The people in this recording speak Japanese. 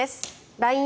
ＬＩＮＥ